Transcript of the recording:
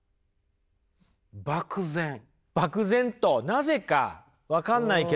漠然となぜか分かんないけど。